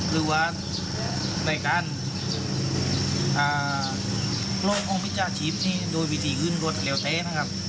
หรือว่าในการโครงโครงพิจารณ์ชีพโดยวิธีอื่นกฎแล้วเทนะครับ